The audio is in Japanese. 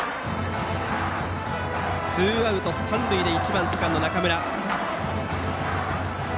ツーアウト、三塁で１番セカンドの中村。